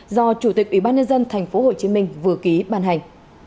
do chủ tịch ủy ban nhân dân tp hcm vừa ký ban hành